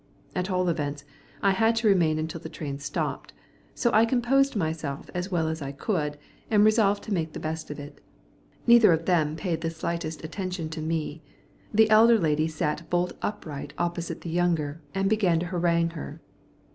At all events, I had to remain until the train stopped, so I composed myself as well as I could, and resolved to make the best of it. Neither of them paid the slightest attention to me. The elder lady sat bolt upright opposite the younger, and began to harangue her.